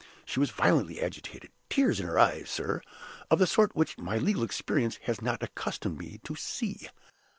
She was violently agitated tears in her eyes, sir, of the sort which my legal experience has not accustomed me to see.